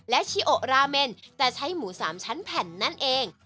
และชิโอราเมนแต่ใช้หมู๓ชั้นแผ่นนั่นเอง